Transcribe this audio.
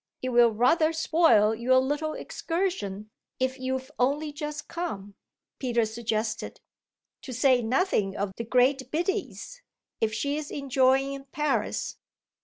"It will rather spoil your little excursion, if you've only just come," Peter suggested; "to say nothing of the great Biddy's, if she's enjoying Paris."